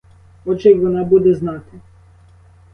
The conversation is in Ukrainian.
Отже й вона буде знати.